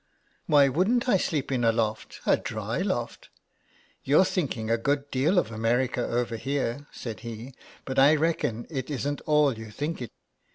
" Why wouldn't I sleep in a loft, a dry loft ! You're IS8 HOME SICKNESS. thinking a good deal of America over here," said he, " but I reckon it isn't all you think it.